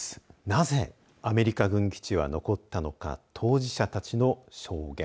なぜアメリカ軍基地は残ったのか当事者たちの証言。